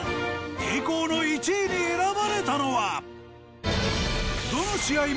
栄光の１位に選ばれたのは。